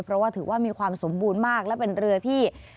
เพราะว่าถือว่ามีความสมบูรณ์มากและเป็นเรือที่